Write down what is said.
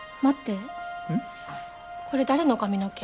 これ誰の髪の毛？